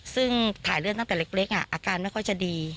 ซึ่งถ่ายเลือดตั้งแต่เล็กอาการไม่ค่อยจะดี